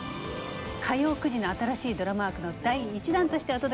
火曜９時の新しいドラマ枠の第１弾としてお届けします。